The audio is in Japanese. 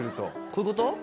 こういうこと？